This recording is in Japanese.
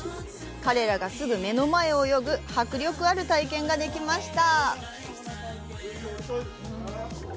彼らがすぐ目の前を泳ぐ迫力ある体験ができました。